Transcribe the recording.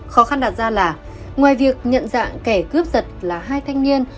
khó khăn đạt ra là ngoài việc nhận dạng kẻ cướp giật là hai thanh niên